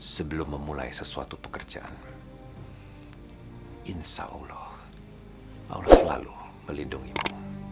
sebelum memulai sesuatu pekerjaan insya allah allah selalu melindungimu